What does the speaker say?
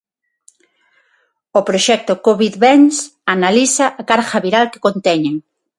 O proxecto CovidBens analiza a carga viral que conteñen.